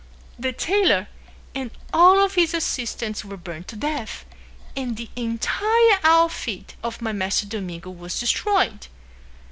The tailor and all of his assistants were burned to death, and the entire outfit of my master Domingo was destroyed.